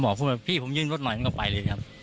บอกบอกพี่ผมยื่นรถหน่อยเราก็ไปเลยครับ